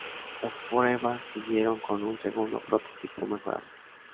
Las pruebas siguieron con un segundo prototipo mejorado.